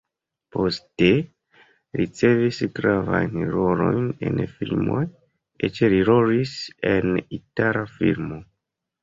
Poste li ricevis gravajn rolojn en filmoj, eĉ li rolis en itala filmo.